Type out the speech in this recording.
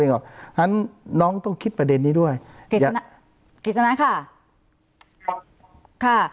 เองหรอกฉะนั้นน้องต้องคิดประเด็นนี้ด้วยกฤษณะกฤษณะค่ะค่ะ